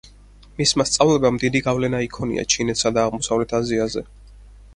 მისმა სწავლებამ დიდი გავლენა იქონია ჩინეთსა და აღმოსავლეთ აზიაზე.